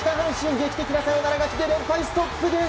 劇的なサヨナラ勝ちで連敗ストップです。